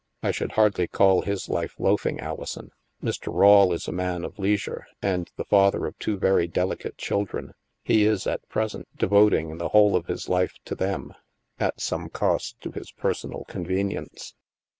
I should hardly call his life loafing, Alison. Mr. Rawle is a man of leisure and the father of two very delicate children. He is, at present, devoting the whole of his life to them at some cost to his personal convenience."